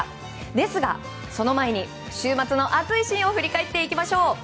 ですが、その前に週末の熱いシーンを振り返っていきましょう。